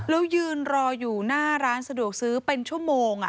แล้วยืนรออยู่หน้าร้านสะดวกซื้อเป็นชั่วโมง